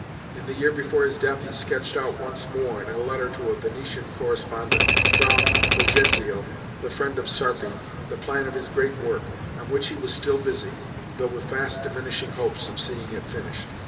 In the year before his death he sketched out once more, in a letter to a Venetian correspondent, Fra Fulgenzio, the friend of Sarpi, the plan of his great work, on which he was still busy, though with fast diminishing hopes of seeing it finished.